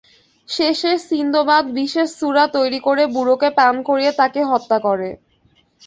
শেষে সিন্দবাদ বিশেষ সুরা তৈরি করে বুড়োকে পান করিয়ে তাকে হত্যা করে।